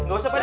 oh makasih ya